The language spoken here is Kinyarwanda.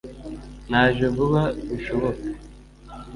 Naje vuba bishoboka